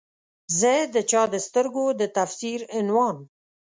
زه د چا د سترګو د تفسیر عنوان